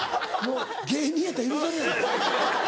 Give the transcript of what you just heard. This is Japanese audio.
芸人やったら許されない。